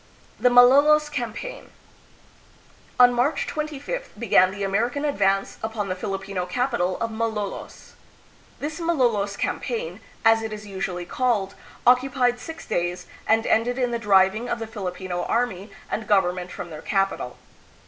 The Malolos Campaign. On March 25th began the American advance upon the Filipino capital of Malolos. This Malolos campaign, as it is usually called, occupied six days, and ended in the driving of the Filipino army and government from their capital.